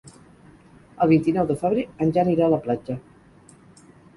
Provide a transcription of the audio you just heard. El vint-i-nou de febrer en Jan irà a la platja.